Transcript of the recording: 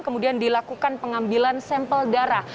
kemudian dilakukan pengambilan sampel darah